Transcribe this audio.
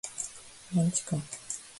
マンチカン